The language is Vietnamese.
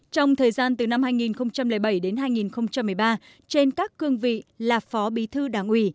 trong thời gian từ năm hai nghìn bảy đến hai nghìn một mươi ba trên các cương vị là phó bí thư đảng ủy